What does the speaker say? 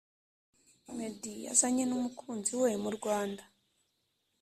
meddy yazanye numukunzi we mu rwanda